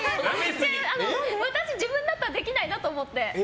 私、自分だったらできないなと思って。